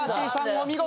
お見事！